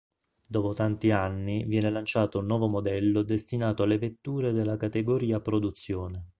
Dopo tanti anni viene lanciato un nuovo modello destinato alle vetture della categoria produzione.